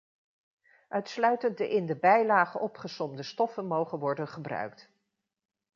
Uitsluitend de in de bijlage opgesomde stoffen mogen worden gebruikt.